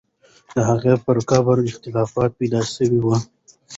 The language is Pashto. د هغې پر قبر اختلاف پیدا سوی وو.